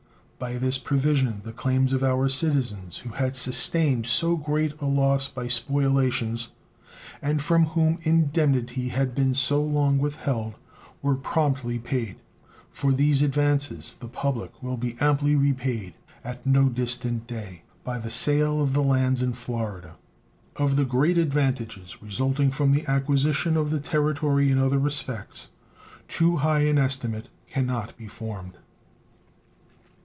By this provision the claims of our citizens who had sustained so great a loss by spoliations, and from whom indemnity had been so long withheld, were promptly paid. For these advances the public will be amply repaid at no distant day by the sale of the lands in Florida. Of the great advantages resulting from the acquisition of the Territory in other respects too high an estimate can not be formed.